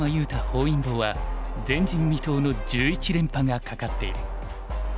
本因坊は前人未踏の１１連覇がかかっている。